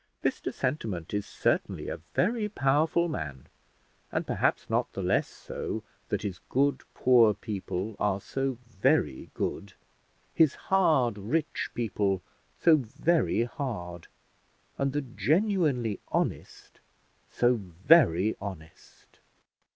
Mr Sentiment is certainly a very powerful man, and perhaps not the less so that his good poor people are so very good; his hard rich people so very hard; and the genuinely honest so very honest.